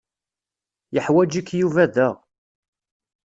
Yeḥwaǧ-ik Yuba da.